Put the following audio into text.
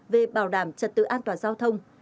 về bảo đảm trật tự an toàn giao thông